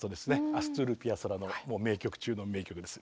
アストル・ピアソラのもう名曲中の名曲です。